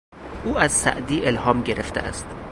او از سعدی الهام گرفته است.